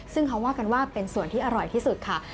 ซึ่งเขาว่ากันว่าเป็นส่วนที่อร่อยที่สุดค่ะ